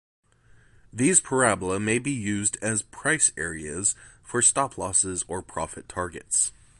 These parabola may be used as price areas for stop losses or profit targets.